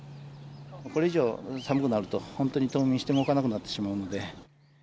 これ以上、寒くなると、本当に冬眠して動かなくなってしまうので。